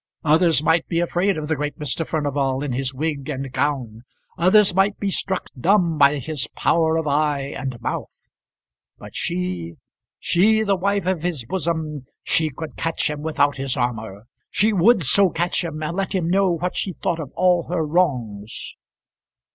Others might be afraid of the great Mr. Furnival in his wig and gown; others might be struck dumb by his power of eye and mouth; but she, she, the wife of his bosom, she could catch him without his armour. She would so catch him and let him know what she thought of all her wrongs.